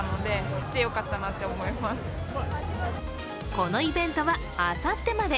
このイベントはあさってまで。